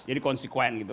jadi konsekuen gitu